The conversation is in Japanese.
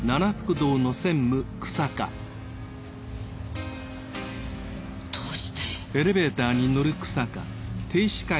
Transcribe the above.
どうして！？